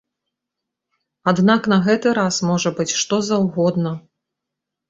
Аднак на гэты раз можа быць што заўгодна.